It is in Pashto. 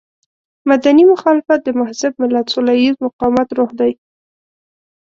مدني مخالفت د مهذب ملت سوله ييز مقاومت روح دی.